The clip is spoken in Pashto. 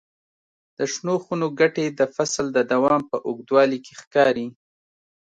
د شنو خونو ګټې د فصل د دوام په اوږدوالي کې ښکاري.